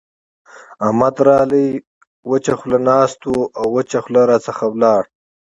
احمد راغی؛ وچه خوله ناست وو او وچه خوله راڅخه ولاړ.